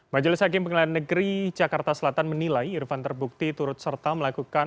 majelis hakim pengadilan negeri jakarta selatan menilai irfan terbukti turut serta melakukan